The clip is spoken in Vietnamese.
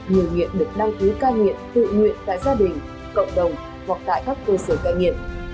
nhiều nghiện được đăng ký ca nghiện tự nguyện tại gia đình cộng đồng hoặc tại các cơ sở ca nghiện